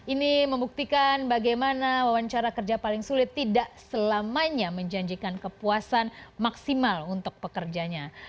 ini membuktikan bagaimana wawancara kerja paling sulit tidak selamanya menjanjikan kepuasan maksimal untuk pekerjanya